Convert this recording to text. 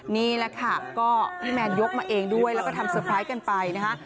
นี่แหละค่ะก็พี่แมนยกมาเองด้วยแล้วก็ทำเตอร์ไพรส์กันไปนะคะ